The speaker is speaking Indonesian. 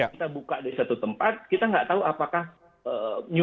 kita buka di suatu tempat kita tidak tahu apakah new normal itu